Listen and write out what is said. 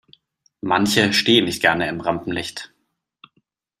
Manche stehen nicht gerne im Rampenlicht.